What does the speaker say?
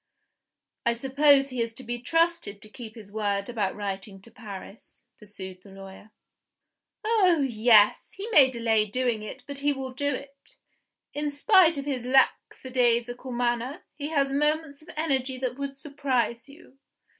"I suppose he is to be trusted to keep his word about writing to Paris?" pursued the lawyer. "Oh, yes! He may delay doing it but he will do it. In spite of his lackadaisical manner, he has moments of energy that would surprise you.